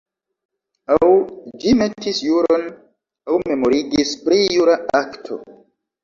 Aŭ ĝi metis juron aŭ memorigis pri jura akto.